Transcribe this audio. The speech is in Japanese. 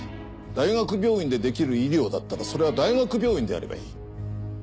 大学病院でできる医療だったらそれは大学病院でやればいい。